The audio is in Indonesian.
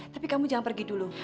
tapi kamu jangan pergi dulu